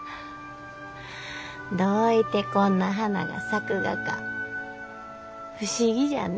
どういてこんな花が咲くがか不思議じゃね。